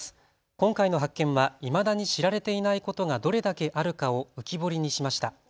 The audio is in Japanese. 今回の発見はいまだに知られていないことがどれだけあるかを浮き彫りにしました。